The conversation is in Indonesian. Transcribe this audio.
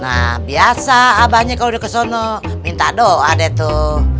nah biasa abahnya kalau di kesana minta doa deh tuh